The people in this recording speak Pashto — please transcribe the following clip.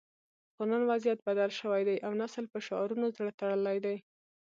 خو نن وضعیت بدل شوی دی او نسل په شعارونو زړه تړلی دی